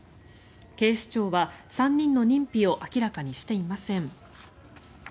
警視庁は３人の認否を明らかにしていません。